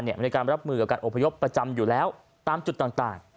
ในการรับมือกับการอบพยพประจำอยู่แล้วตามจุดต่าง